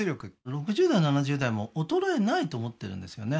６０代７０代も衰えないと思ってるんですよね